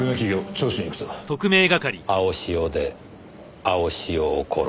青潮で青潮を殺す。